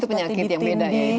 itu penyakit yang beda ya